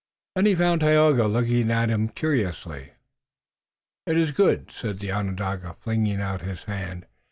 Then he found Tayoga looking at him curiously. "It is good!" said the Onondaga, flinging out his hand.